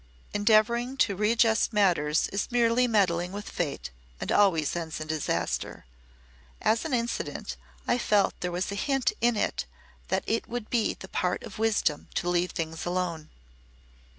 "Endeavouring to readjust matters is merely meddling with Fate and always ends in disaster. As an incident, I felt there was a hint in it that it would be the part of wisdom to leave things alone."